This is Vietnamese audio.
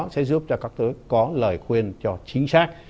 sẽ giúp cho các tới có lời khuyên cho chính xác